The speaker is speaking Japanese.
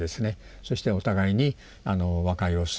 そしてお互いに和解をする。